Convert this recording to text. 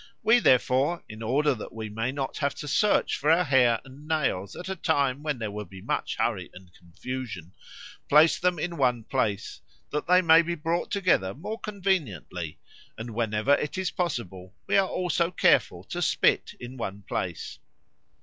We, therefore, in order that we may not have to search for our hair and nails at a time when there will be much hurry and confusion, place them in one place, that they may be brought together more conveniently, and, whenever it is possible, we are also careful to spit in one place.'"